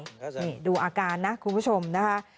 นี่ดูอาการนะคุณผู้ชมนะคะ